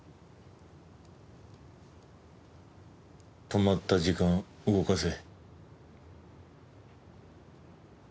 止まった時間動かせ。